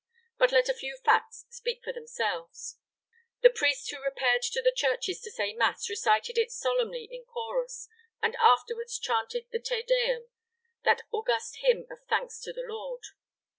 But let a few facts speak for themselves. The priests who repaired to the churches to say mass recited it solemnly in chorus, and afterward chanted the Te Deum, that august hymn of thanks to the Lord.